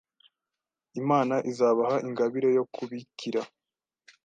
Imana izabaha ingabire yo kubikira